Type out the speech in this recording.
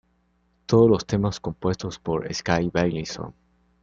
Todos los temas compuestos por Skay Beilinson.